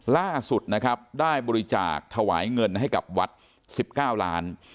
ล่าสุดนะครับได้บริจาคถวายเงินให้กับวัด๑๙ล้าน